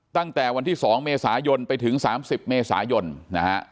ตั้งแต่วันที่สองเมษายนไปถึงสามสิบเมษายนนะฮะ